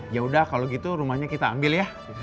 yaudah kalau gitu rumahnya kita ambil ya